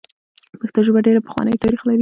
پښتو ژبه ډېر پخوانی تاریخ لري.